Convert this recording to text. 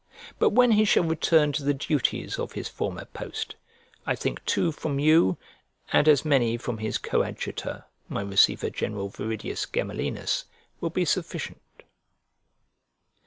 But when he shall return to the duties of his former post, I think two from you and as many from his coadjutor, my receiver general Virdius Gemelhinus, will be sufficient.